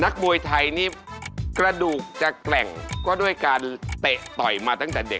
มวยไทยนี่กระดูกจะแกร่งก็ด้วยการเตะต่อยมาตั้งแต่เด็ก